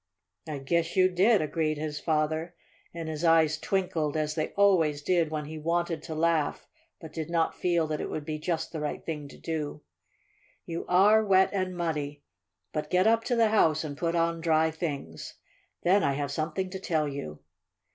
"I guess you did," agreed his father, and his eyes twinkled as they always did when he wanted to laugh but did not feel that it would be just the right thing to do. "You are wet and muddy. But get up to the house and put on dry things. Then I have something to tell you."